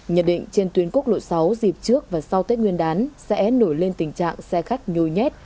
nhận định trên tuyến quốc lộ sáu dịp trước và sau tết nguyên đán sẽ nổi lên tình trạng xe khách nhồi nhét